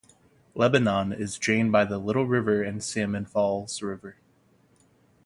Lebanon is drained by the Little River and Salmon Falls River.